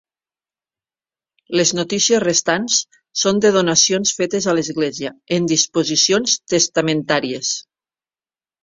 Les notícies restants són de donacions fetes a l'església en disposicions testamentàries.